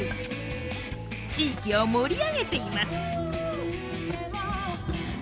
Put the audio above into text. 地域を盛り上げています。